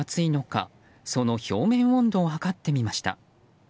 どれだけ暑いのかその表面温度を測ってみました。